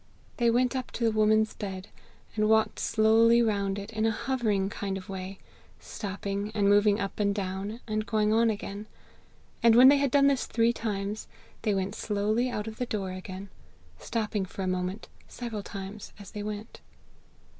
They went up to the woman's bed, and walked slowly round it in a hovering kind of a way, stopping, and moving up and down, and going on again; and when they had done this three times, they went slowly out of the door again, stopping for a moment several times as they went.